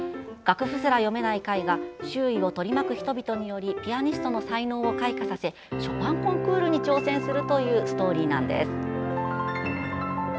楽譜すら読めない海が周囲をとりまく人々によりピアニストの才能を開花させショパンコンクールに挑戦するというストーリーなんです。